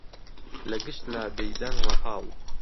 لە گشت لا دەیدەن ڕەپاڵ